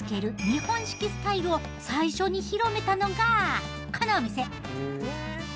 日本式スタイルを最初に広めたのがこのお店。